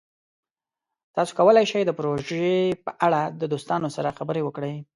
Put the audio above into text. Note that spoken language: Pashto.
تاسو کولی شئ د پروژې په اړه د دوستانو سره خبرې وکړئ.